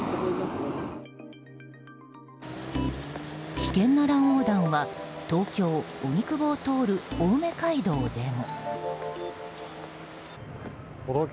危険な乱横断は東京・荻窪を通る青梅街道でも。